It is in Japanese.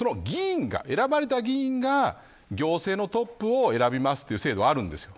その議員が行政のトップを選びますという制度はあるんです。